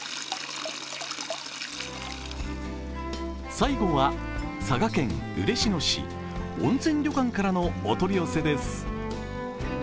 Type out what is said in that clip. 最後は佐賀県嬉野市、温泉旅館からのお取り寄せです。